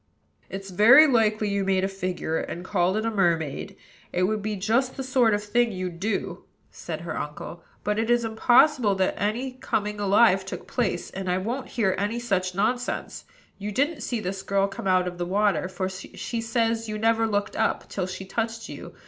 "It's very likely you made a figure, and called it a mermaid: it would be just the sort of thing you'd do," said her uncle. "But it is impossible that any coming alive took place, and I won't hear any such nonsense. You didn't see this girl come out of the water; for she says you never looked up, till she touched you.